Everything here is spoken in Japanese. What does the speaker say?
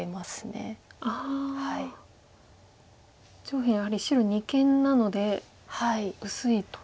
上辺やはり白二間なので薄いと。